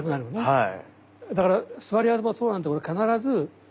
はい。